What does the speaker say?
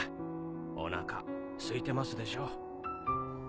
おなかすいてますでしょう？